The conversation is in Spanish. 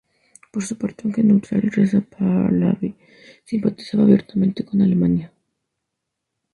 Por su parte, aunque neutral, Reza Pahlavi simpatizaba abiertamente con Alemania.